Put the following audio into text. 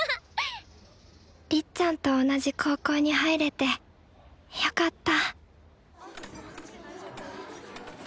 りっちゃんと同じ高校に入れてよかった